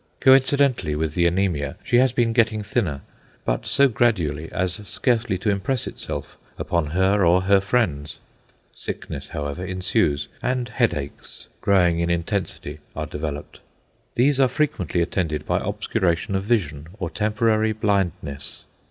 Coincidently with the anaemia she has been getting thinner, but so gradually as scarcely to impress itself upon her or her friends. Sickness, however, ensues, and headaches, growing in intensity, are developed. These are frequently attended by obscuration of vision or temporary blindness.